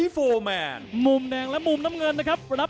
กระโดยสิ้งเล็กนี่ออกกันขาสันเหมือนกันครับ